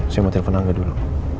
saya mau telepon angga dulu